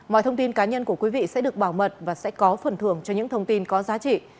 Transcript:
mọi thông tin cá nhân của quý vị sẽ được bảo mật và sẽ có phần thưởng cho những thông tin có giá trị